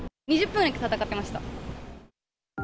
２０分くらい戦ってました。